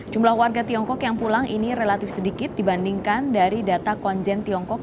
jumlah warga tiongkok yang pulang ini relatif sedikit dibandingkan dari data konjen tiongkok